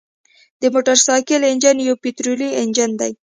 د موټرسایکل انجن یو پطرولي انجن دی.